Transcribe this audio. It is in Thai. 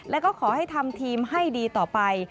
แล้วก็ขอให้ทำทีมให้ดีต่อไป